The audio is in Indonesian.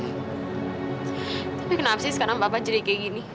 tapi kenapa sih sekarang bapak jadi kayak gini